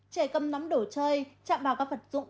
trẻ cầm nắm đổ chơi chạm vào các vật dụng